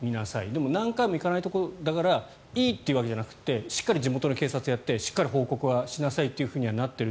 でも何回も行かないところだからいいというわけではなくてしっかり地元の警察がやってしっかり報告はしなさいってなっている。